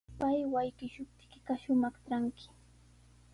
Pay wallkishuptiykiqa shumaq tranki.